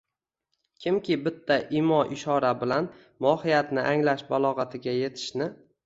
kimki bitta imo-ishora bilan mohiyatni anglash balog‘atiga yetishni